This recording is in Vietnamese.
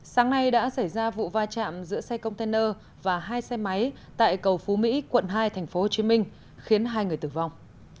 sáng nay đã xảy ra vụ va chạm giữa xe container và hai xe máy tại cầu phú mỹ quận hai tp hcm khiến hai người tử vong